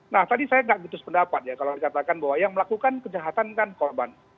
nah tadi saya nggak gutus pendapat ya kalau saya katakan bahwa yang melakukan kejahatan kan korban